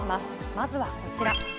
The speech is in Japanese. まずはこちら。